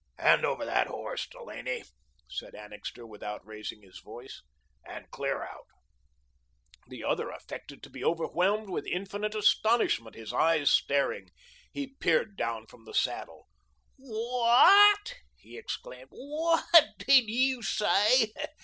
"Hand over that horse, Delaney," said Annixter, without raising his voice, "and clear out." The other affected to be overwhelmed with infinite astonishment, his eyes staring. He peered down from the saddle. "Wh a a t!" he exclaimed; "wh a a t did you say?